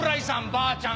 ばあちゃん